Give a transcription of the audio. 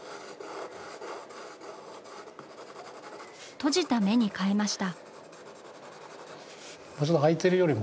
閉じた目に変えました。